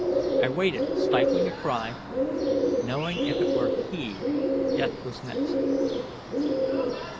I waited, stifling a cry, knowing if it were he, death was next.